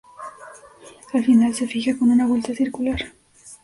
Al final, se fija con una vuelta circular.